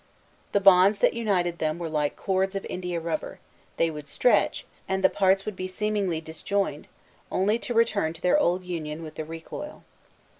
The bonds that united them were like cords of India rubber: they would stretch, and the parts would be seemingly disjoined, only to return to their old union with the recoil.